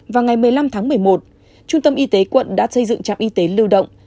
vào ngày một mươi năm tháng một mươi một trung tâm y tế quận đã xây dựng trạm y tế lưu động